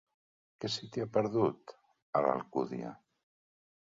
Què se t'hi ha perdut, a l'Alcúdia?